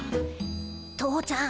父ちゃん。